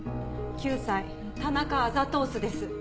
９歳田中アザトースです。